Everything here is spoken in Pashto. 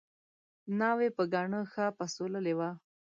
ناوې په ګاڼه ښه پسوللې وه